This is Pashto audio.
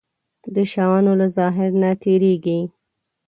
د شيانو له ظاهر نه تېرېږي.